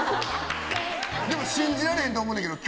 でも信じられへんって思うねんけど。